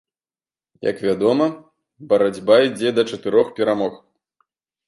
Як вядома, барацьба ідзе да чатырох перамог.